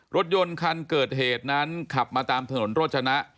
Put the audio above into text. รถยนต์คันเกิดเหตุนั้นขับมาตามถนนโรจนะ